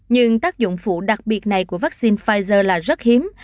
nhưng tác dụng phụ đặc biệt này của vaccine pfizer là rất hiếm